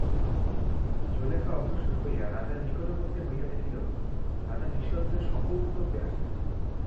জুলিখা অগ্রসর হইয়া রাজার নিকটবর্তী হইয়া দেখিল, রাজা নিঃশব্দে সকৌতুকে হাসিতেছেন।